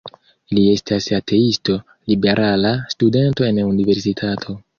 Li estas ateisto, liberala studento en universitato.